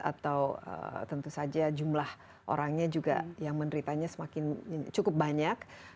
atau tentu saja jumlah orangnya juga yang menderitanya semakin cukup banyak